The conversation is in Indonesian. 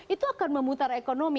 itu akan memutar ekonomi